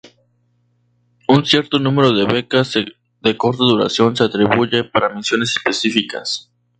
Un cierto número de becas de corta duración se atribuye para misiones específicas.